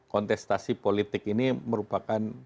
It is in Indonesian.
kontestasi politik ini merupakan